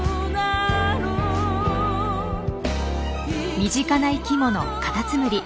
身近な生きものカタツムリ。